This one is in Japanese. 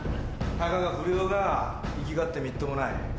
たかが不良が粋がってみっともない。